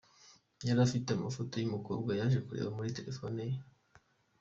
Yari afite amafoto y'umukobwa yaje kureba muri telefone ye.